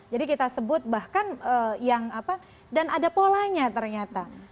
kita sebut bahkan yang apa dan ada polanya ternyata